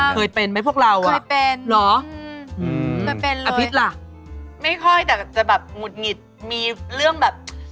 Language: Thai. ฝันรายแล้วแบบ